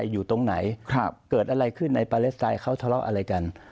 อยู่ตรงไหนครับเกิดอะไรขึ้นในเขาทะเลาะอะไรกัน